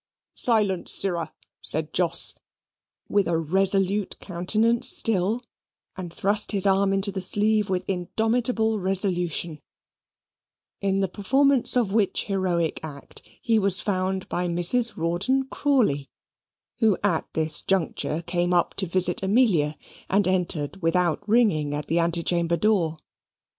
"Silence, sirrah!" said Jos, with a resolute countenance still, and thrust his arm into the sleeve with indomitable resolution, in the performance of which heroic act he was found by Mrs. Rawdon Crawley, who at this juncture came up to visit Amelia, and entered without ringing at the antechamber door.